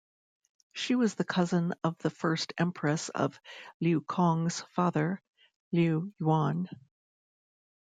She was the cousin of the first empress of Liu Cong's father Liu Yuan.